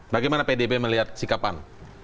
bagaimana pdp melihat sikapan